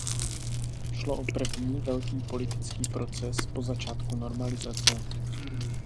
Šlo o první velký politický proces po začátku normalizace.